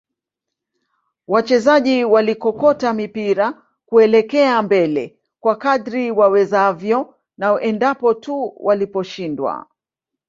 Wachezaji walikokota mipira kuelekea mbele kwa kadri wawezavyo na endapo tu waliposhindwa